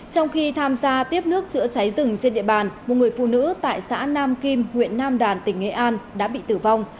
trong khi tham gia tiếp nước chữa cháy rừng trên địa bàn một người phụ nữ tại xã nam kim huyện nam đàn tỉnh nghệ an đã bị tử vong